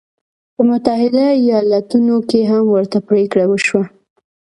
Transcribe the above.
په متحده ایالتونو کې هم ورته پرېکړه وشوه.